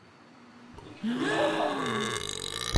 Lekdeb iḥemmeq!